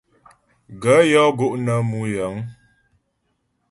Gaə̂ yɔ́ gó' nə mú yəŋ.